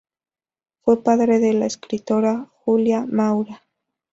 Fue padre de la escritora Julia Maura.